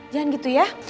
jangan gitu ya